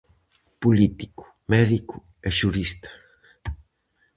Político, médico e xurista.